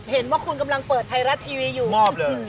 เห็นว่าคุณกำลังเปิดไทยรัฐทีวีอยู่มอบเลย